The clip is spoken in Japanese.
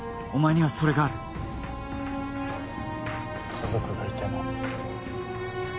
家族がいても